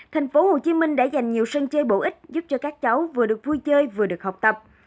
tp hcm đã dành nhiều sân chơi bổ ích giúp cho các cháu vừa được vui chơi vừa được học tập